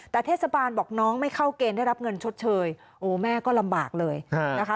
แต่เทศบาลบอกน้องไม่เข้าเกณฑ์ได้รับเงินชดเชยโอ้แม่ก็ลำบากเลยนะคะ